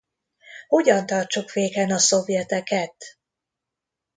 Hogyan tartsuk féken a szovjeteket?